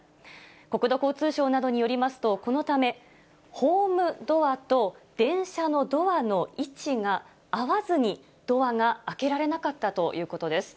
国土交通省などによりますと、このためホームドアと電車のドアの位置が合わずに、ドアが開けられなかったということです。